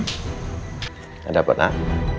gak dapet nak